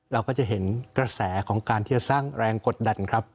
เราก็จะเห็นกระแสของการที่จะสร้างแรงกดดันครับ